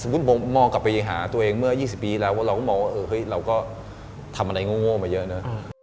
ผมมองกลับไปหาตัวเองเมื่อ๒๐ปีแล้วเราก็มองว่าเราก็ทำอะไรโง่มาเยอะเนอะ